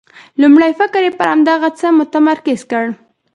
لومړی فکر یې پر همدغه څه متمرکز کړ.